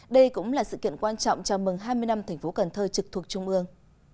đây cũng là sự kiện quan trọng chào mừng hai mươi năm tp cần thơ trực thuộc trung ương